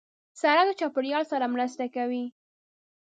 سړک د چاپېریال سره مرسته کوي.